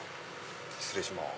失礼します。